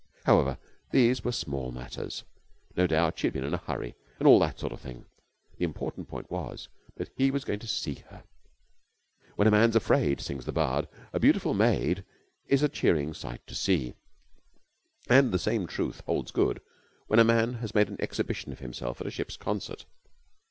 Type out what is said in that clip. However, these were small matters. No doubt she had been in a hurry and all that sort of thing. The important point was that he was going to see her. When a man's afraid, sings the bard, a beautiful maid is a cheering sight to see; and the same truth holds good when a man has made an exhibition of himself at a ship's concert.